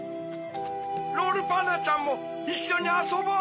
ロールパンナちゃんもいっしょにあそぼう！